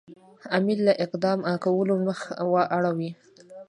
امیر له اقدام کولو مخ اړوي.